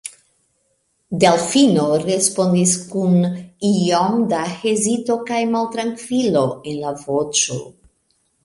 Delfino respondis kun iom da hezito kaj maltrankvilo en la voĉo.